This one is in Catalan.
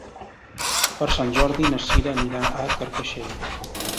Per Sant Jordi na Cira anirà a Carcaixent.